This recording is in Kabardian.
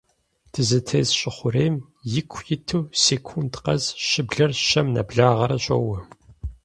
Дызытес Щӏы Хъурейм, ику иту, секунд къэс щыблэр щэм нэблагъэрэ щоуэ.